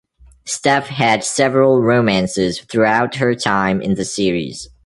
Steph had several romances throughout her time in the series.